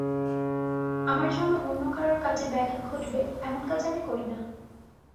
আমার জন্য অন্য কারোর কাজে ব্যাঘাত ঘটবে, এমন কাজ আমি করি না।